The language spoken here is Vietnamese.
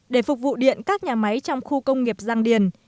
để phục vụ điện các nhà máy trong khu công nghiệp giang điền